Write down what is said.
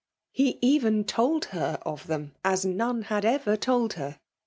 He even told her of them as none had ever told her.